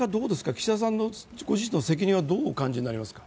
岸田さんのご自身の責任はどうお感じになりますか？